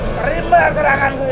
terima seranganku ini